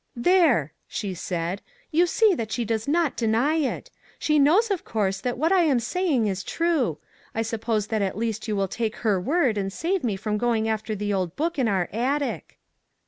" There !" she said, " you see that she does not deny it; she knows, of course, that what I am saying is true. I suppose that at least you will take her word and save me from going after the old book in our attic."